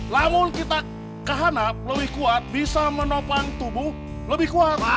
namun kita kehana lebih kuat bisa menopang tubuh lebih kuat